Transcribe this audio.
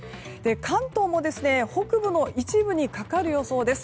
関東も北部の一部にかかる予想です。